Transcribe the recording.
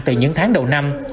từ những tháng đầu năm